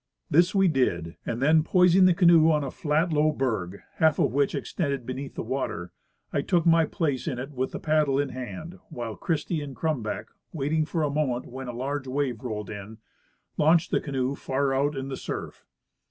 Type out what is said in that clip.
This we did, and then, poising the canoe on a low flat berg, half of which extended beneath the water, I took my place in it with paddle in hand, while Christie and Crumback, waiting for the moment when a large wave rolled in, launched the canoe far out in the surf.